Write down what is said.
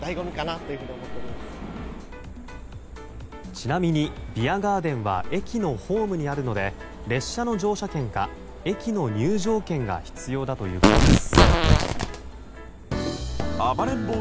ちなみにビアガーデンは駅のホームにあるので列車の乗車券か駅の入場券が必要だということです。